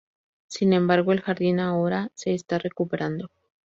Sin embargo, el jardín ahora se está recuperando.